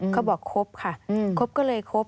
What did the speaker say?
เขาบอกครบค่ะครบก็เลยครบ